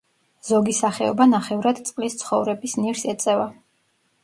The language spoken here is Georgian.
ზოგი სახეობა ნახევრად წყლის ცხოვრების ნირს ეწევა.